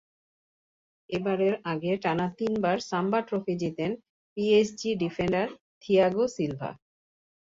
এবারের আগে টানা তিনবার সাম্বা ট্রফি জেতেন পিএসজি ডিফেন্ডার থিয়াগো সিলভা।